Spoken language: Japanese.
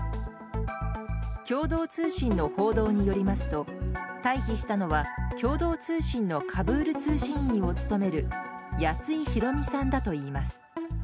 共同通信の報道によりますと退避したのは共同通信のカブール通信員を務める安井浩美さんだといいます。